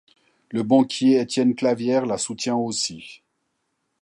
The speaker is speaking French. Le banquier Étienne Clavière la soutient aussi.